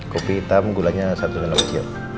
kopi hitam gulanya satu sendok